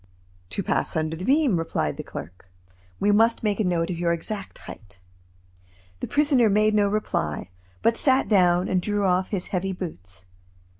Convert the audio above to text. "To pass under the beam," replied the clerk. "We must make a note of your exact height." The prisoner made no reply, but sat down and drew off his heavy boots.